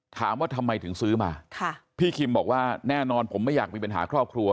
ถามว่าทำไมถึงซื้อมาพี่คิมบอกว่าแน่นอนผมไม่อยากมีปัญหาครอบครัว